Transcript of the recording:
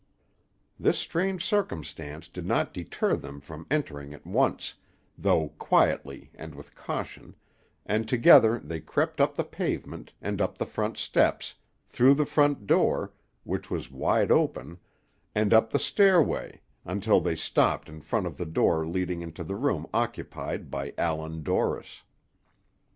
This strange circumstance did not deter them from entering at once, though quietly and with caution, and together they crept up the pavement, and up the front steps, through the front door, which was wide open, and up the stairway, until they stopped in front of the door leading into the room occupied by Allan Dorris.